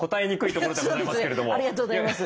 ありがとうございます。